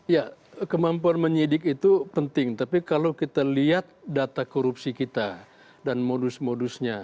ya kemampuan menyidik itu penting tapi kalau kita lihat data korupsi kita dan modus modusnya